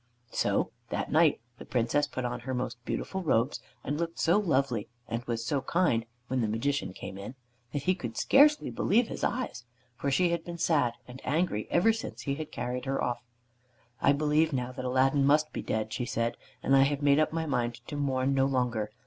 So that night the Princess put on her most beautiful robes, and looked so lovely and was so kind when the Magician came in, that he could scarcely believe his eyes. For she had been sad and angry ever since he had carried her off. "I believe now that Aladdin must be dead," she said, "and I have made up my mind to mourn no longer.